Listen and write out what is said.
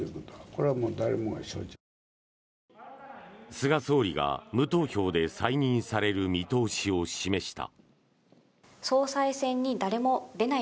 菅総理が無投票で再任される見通しを示した。